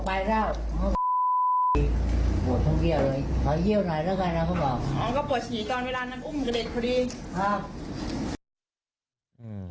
ขอให้เค้าปลอดฉี่ตอนเวลานั้นกล้ามเป็นกับเด็กพอดี